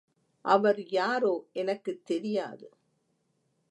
அவர் யாரோ, எனக்குத் தெரியாது.